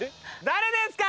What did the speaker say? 誰ですか？